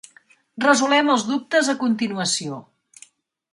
Resolem els dubtes a continuació.